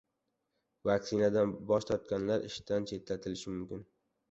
Vaksinadan bosh tortganlar ishdan chetlatilishi mumkin